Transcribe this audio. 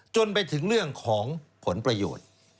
จนไปถึงเรื่องของผลประโยชน์